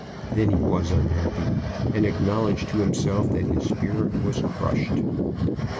Then he was unhappy, and acknowledged to himself that his spirit was crushed.